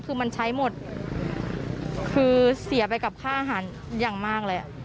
คือมันใช้หมดคือเสียไปกับค่าอาหารอย่างมากเลย